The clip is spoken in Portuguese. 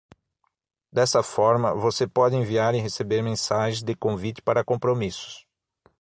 Dessa forma, você pode enviar e receber mensagens de convite para compromissos.